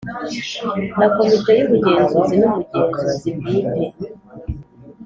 Na komite y ubugenzuzi n umugenzuzi bwite